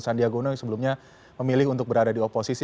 sandiaga uno yang sebelumnya memilih untuk berada di oposisi